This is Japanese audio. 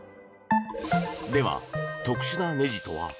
では、特殊なねじとは？